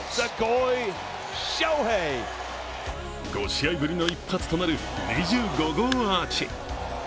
５試合ぶりの一発となる２５号アーチ。